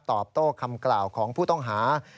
ตอบโต้คำกล่าวของผู้ต้องหา